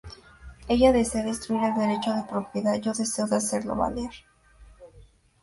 Ella desea destruir el derecho de propiedad, yo deseo de hacerlo valer.